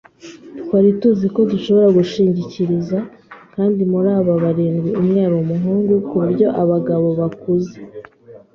twari tuzi ko dushobora kwishingikiriza; kandi muri aba barindwi umwe yari umuhungu, kuburyo abagabo bakuze